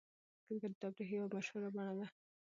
کرکټ د تفریح یوه مشهوره بڼه ده.